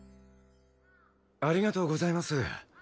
ありがとうございます。